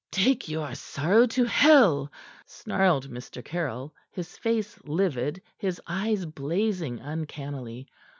"Take your sorrow to hell," snarled Mr. Caryll, his face livid, his eyes blazing uncannily.